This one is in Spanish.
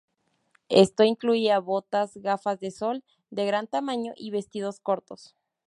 Esto incluía botas, gafas de sol de gran tamaño y vestidos cortos.